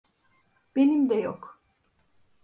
Benim de yok.